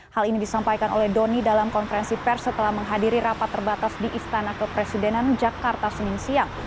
hal ini disampaikan oleh doni dalam konferensi pers setelah menghadiri rapat terbatas di istana kepresidenan jakarta senin siang